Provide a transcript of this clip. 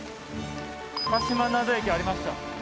鹿島灘駅ありました。